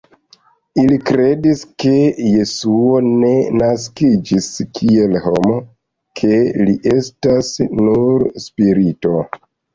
Ili kredis, ke Jesuo ne naskiĝis kiel homo, ke li estas nur spirito.